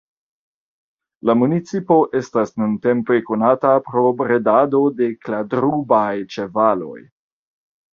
La municipo estas nuntempe konata pro bredado de kladrubaj ĉevaloj.